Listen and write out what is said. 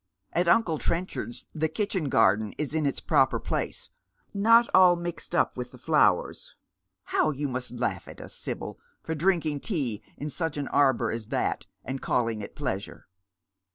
" At uncle Trenchard's the kitchen garden is in its proper place, not all mixed up with the flowers. How you must laugh at us, Sibyl, for drinking tea in such an arbour as that, and calling it pleasure